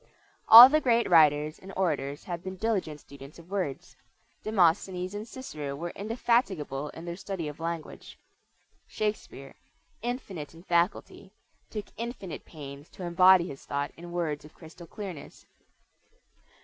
All the great writers and orators have been diligent students of words. Demosthenes and Cicero were indefatigable in their study of language. Shakespeare, "infinite in faculty," took infinite pains to embody his thought in words of crystal clearness.